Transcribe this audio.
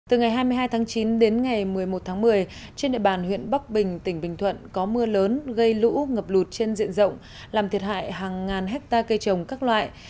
từ ngày hai mươi hai tháng chín đến ngày một mươi một tháng một mươi trên địa bàn huyện bắc bình tỉnh bình thuận có mưa lớn gây lũ ngập lụt trên diện rộng làm thiệt hại hàng ngàn hectare cây trồng các loại